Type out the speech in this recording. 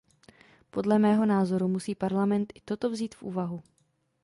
Podle mého názoru musí Parlament i toto vzít v úvahu.